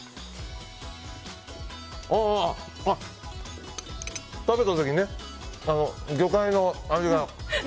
ああ、食べた時ね、魚介の味が。